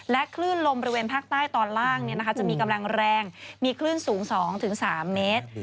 คลื่นลมบริเวณภาคใต้ตอนล่างจะมีกำลังแรงมีคลื่นสูง๒๓เมตร